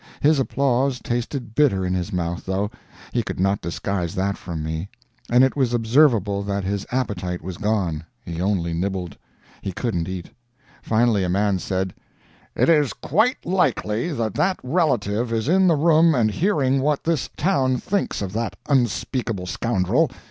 His applause tasted bitter in his mouth, though; he could not disguise that from me; and it was observable that his appetite was gone; he only nibbled; he couldn't eat. Finally a man said, "It is quite likely that that relative is in the room and hearing what this town thinks of that unspeakable scoundrel.